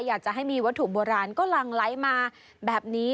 อยากจะให้มีวัตถุโบราณก็หลั่งไหลมาแบบนี้